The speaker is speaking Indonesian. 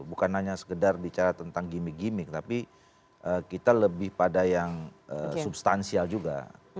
bukan hanya sekedar bicara tentang gimmick gimmick tapi kita lebih pada yang substansial juga